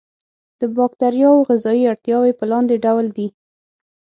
د باکتریاوو غذایي اړتیاوې په لاندې ډول دي.